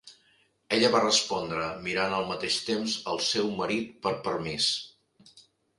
Ella va respondre, mirant al mateix temps al seu marit per permís.